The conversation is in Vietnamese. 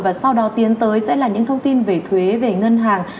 và sau đó tiến tới sẽ là những thông tin về thuế về ngân hàng